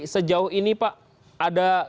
sejauh ini pak ada